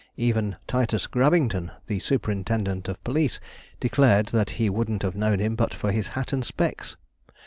Even Titus Grabbington, the superintendent of police, declared that he wouldn't have known him but for his hat and specs.